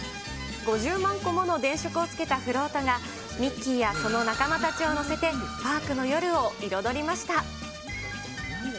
５０万個もの電飾をつけたフロートがミッキーやその仲間たちを乗せてパークの夜を彩りました。